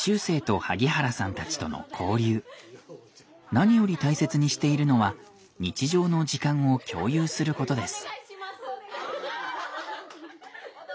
何より大切にしているのは日常の時間を共有することです。